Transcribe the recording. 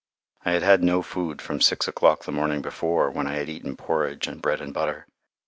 I had had no food from six o'clock the morning before, when I had eaten porridge and bread and butter.